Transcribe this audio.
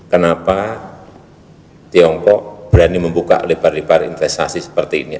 kenapa tiongkok berani membuka lebar lebar investasi seperti ini